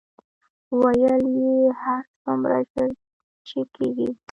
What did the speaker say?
ویل یې هر څومره ژر چې کېږي.